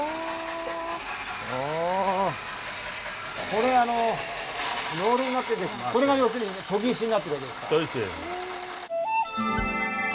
これあのロールになっててこれが要するに研ぎ石になってるわけですか？